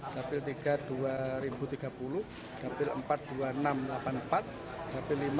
kami langsung mengajukan kepada kpu provinsi